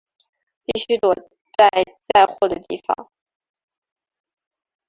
必须躲在载货的地方